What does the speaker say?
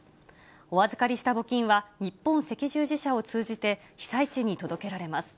お預かりした募金は、日本赤十字社を通じて被災地に届けられます。